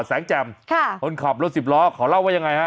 แสงแจ่มค่ะคนขับรถสิบล้อเขาเล่าว่ายังไงฮะ